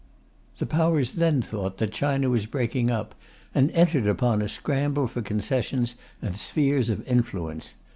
The Powers then thought that China was breaking up, and entered upon a scramble for concessions and spheres of influence.